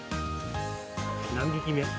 何匹目？